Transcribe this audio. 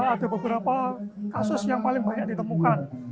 ada beberapa kasus yang paling banyak ditemukan